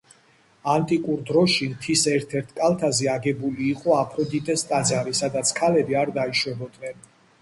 ანტიკურ დროში მთის ერთ-ერთ კალთაზე აგებული იყო აფროდიტეს ტაძარი, სადაც ქალები არ დაიშვებოდნენ.